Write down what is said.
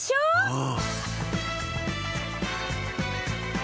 うん。